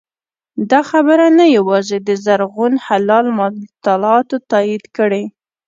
دا خبره نه یوازې د زرغون هلال مطالعاتو تایید کړې